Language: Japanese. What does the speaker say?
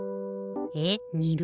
えっにる？